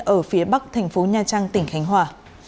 ở phía bắc thành phố nha trang tỉnh khánh hòa